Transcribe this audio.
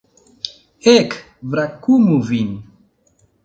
Ek, brakumu vin!